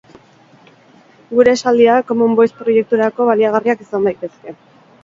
Gure esaldiak Common Voice proiekturako baliagarriak izan daitezke.